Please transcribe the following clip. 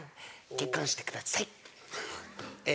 結婚してください」。